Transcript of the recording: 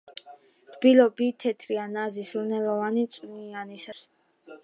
რბილობი თეთრია, ნაზი, სურნელოვანი, წვნიანი, სასიამოვნო სიტკბო აქვს.